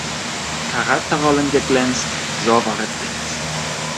Charakterrollen geglänzt, so ward jetzt.